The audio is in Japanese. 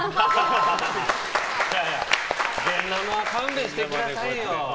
いやいや現ナマは勘弁してくださいよ。